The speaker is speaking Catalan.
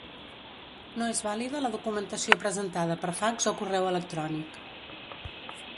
No és vàlida la documentació presentada per fax o correu electrònic.